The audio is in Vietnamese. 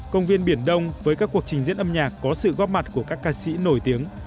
công viên biển đông với các cuộc trình diễn âm nhạc có sự góp mặt của các ca sĩ nổi tiếng